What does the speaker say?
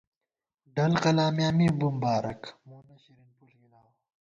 ڈل قلا میاں می بُمبارَک مونہ شرین پُݪ گِلاؤ